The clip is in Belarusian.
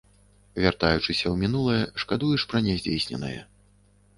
Вяртаючыся ў мінулае, шкадуеш пра няздзейсненае.